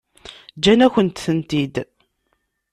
Ǧǧan-akent-tent-id.